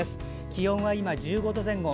気温は今１５度前後。